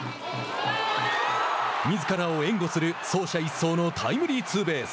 みずからを援護する走者一掃のタイムリーツーベース。